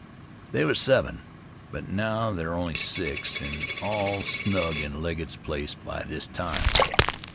"They was seven; but now there are only six, an' all snug in Legget's place by this time."